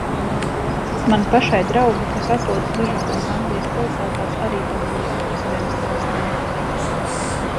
Man pašai draugi, kas atrodas dažādās Anglijas pilsētās arī padalījās ar saviem stāstiem.